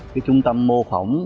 cái trung tâm mô phỏng